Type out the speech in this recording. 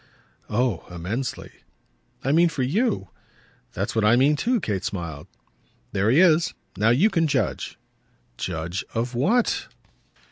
"Oh immensely." "I mean for YOU." "That's what I mean too," Kate smiled. "There he is. Now you can judge." "Judge of what?"